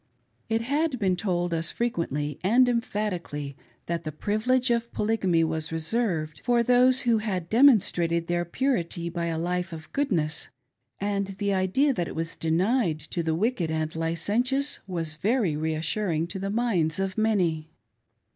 It had been told us frequently and emphatically that the " privilege " of Polygamy was reserved for those who had demonstrated their purity by a life of goodness ; and the idea that it was denied to the wicked and licentious was very re assuring to the minds of many.